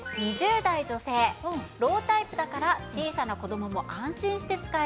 ２０代女性「ロータイプだから小さな子どもも安心して使える」。